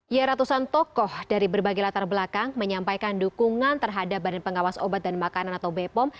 ya ratusan tokoh dari berbagai latar belakang menyampaikan dukungan terhadap badan pengawas obat dan makanan atau bepom